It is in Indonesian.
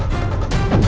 aku akan menang